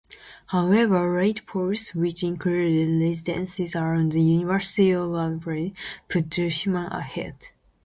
However, late polls, which included residences around the University of Alberta, put Duncan ahead.